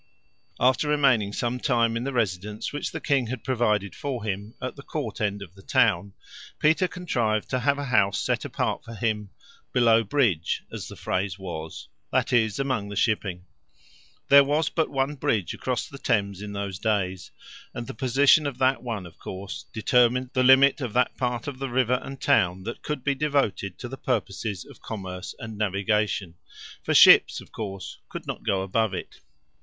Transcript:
After remaining some time in the residence which the king had provided for him at the court end of the town, Peter contrived to have a house set apart for him "below bridge," as the phrase was that is, among the shipping. There was but one bridge across the Thames in those days, and the position of that one, of course, determined the limit of that part of the river and town that could be devoted to the purposes of commerce and navigation, for ships, of course, could not go above it.